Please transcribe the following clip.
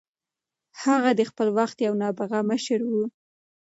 هغه د خپل وخت یو نابغه مشر و.